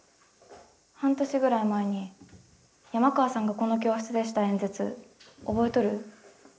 半年ぐらい前に山川さんがこの教室でした演説覚えとる？